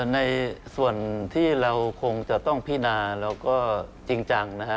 ในส่วนที่เราคงจะต้องพินาแล้วก็จริงจังนะฮะ